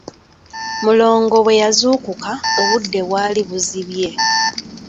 Mulongo bwe yazuukuka, obudde bwali buzibye.